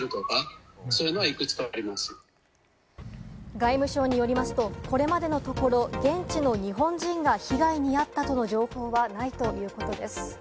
外務省によりますと、これまでのところ、現地の日本人が被害に遭ったとの情報はないということです。